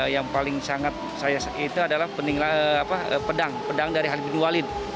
yang paling sangat saya saksikan adalah pedang dari khalid bin walid